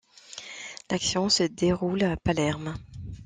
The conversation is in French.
L'action se déroule à Palerme.